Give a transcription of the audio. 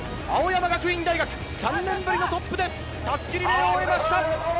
青山学院大学、３年ぶりのトップで襷リレーを終えました。